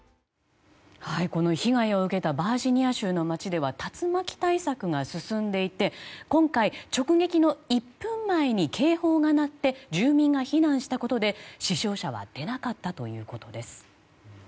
この被害を受けたバージニア州の街では竜巻対策が進んでいて今回、直撃の１分前に警報が鳴って住民が避難したことで死傷者は出なかったということです。